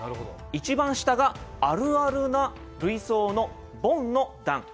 一番下があるあるな類想のボンの段。